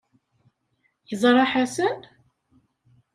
Yeẓra Ḥasan?